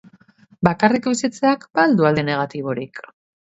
Bakarrik bizitzeak ba al du alde negatiborik?